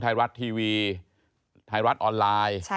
ไทยรัฐทีวีไทยรัฐออนไลน์